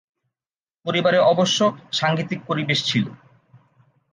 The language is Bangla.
পরিবারে অবশ্য সাঙ্গীতিক পরিবেশ ছিল।